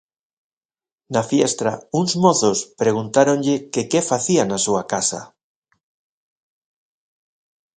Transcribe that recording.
Na fiestra uns mozos preguntáronlle que que facía na súa casa.